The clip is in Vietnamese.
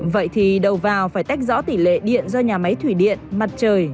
vậy thì đầu vào phải tách rõ tỷ lệ điện do nhà máy thủy điện mặt trời